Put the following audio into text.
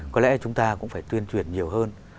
có lẽ chúng ta cũng phải tuyên truyền nhiều hơn